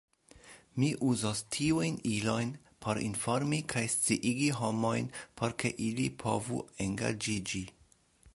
Mi uzos tiujn ilojn por informi kaj sciigi homojn por ke ili povu engaĝiĝi.